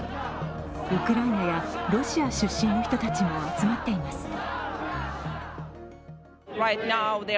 ウクライナやロシア出身の人たちも集まっています。